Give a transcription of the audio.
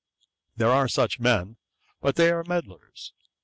There are such men, but they are medlars.